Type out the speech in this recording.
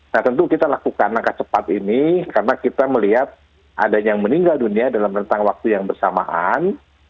nah tentu kita lakukan langkah cepat ini karena kita melihat ada yang meninggal dunia dalam rentang waktu yang bersamaan